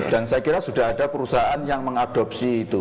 dan saya kira sudah ada perusahaan yang mengadopsi itu